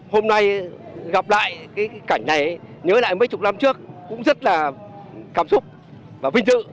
hôm nay gặp lại cái cảnh này nhớ lại mấy chục năm trước cũng rất là cảm xúc và vinh dự